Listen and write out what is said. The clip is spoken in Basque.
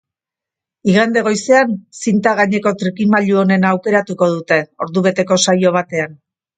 Igande goizean, zinta gaineko trikimailu onena aukeratuko dute, ordubeteko saio batean.